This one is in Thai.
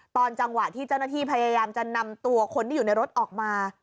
ตอนจังหวะที่เจ้าหน้าที่พยายามจะนำตัวคนที่อยู่ในรถออกมา